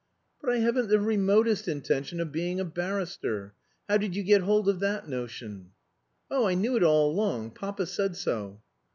"But I haven't the remotest intention of being a barrister. How did you get hold of that notion?" "Oh, I knew it all along. Papa said so."